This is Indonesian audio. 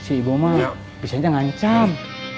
si ibu malang bisa aja ngancam